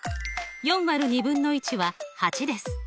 ４÷２分の１は８です。